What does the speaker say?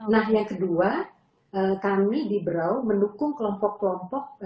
nah yang kedua kami di berau mendukung kelompok kelompok